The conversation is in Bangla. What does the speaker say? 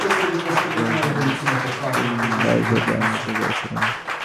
তিনি স্বামীজীকে স্বীয় বাসভবনে আমন্ত্রণ করিয়াছিলেন।